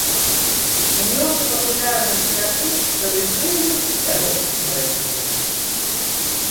Імёны папулярных святых традыцыйны сярод грэкаў.